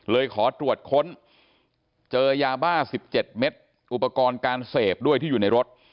ขอตรวจค้นเจอยาบ้า๑๗เม็ดอุปกรณ์การเสพด้วยที่อยู่ในรถ